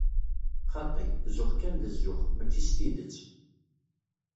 Xaṭi, zuxx kan d zzux, mačči s tidet.